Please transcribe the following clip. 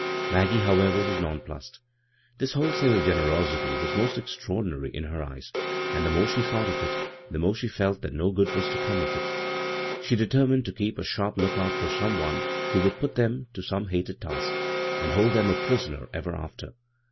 Maggie, however, was nonplussed. This wholesale generosity was most extraordinary in her eyes, and the more she thought ol it, the more she felt that no good was to come of it. She determined to keep a sharp look out for some one who would put them to some hated task and hold them there a pris oner ever after.